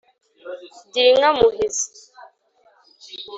gira inka muhizi